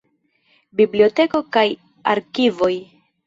Biblioteko kaj arkivoj.